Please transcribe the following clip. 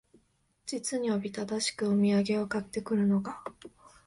実におびただしくお土産を買って来るのが、